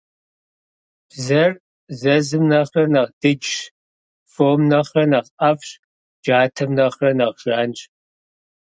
Бзэр зэзым нэхърэ нэхъ дыджщ, фом нэхърэ нэхъ IэфIщ, джатэм нэхърэ нэхъ жанщ.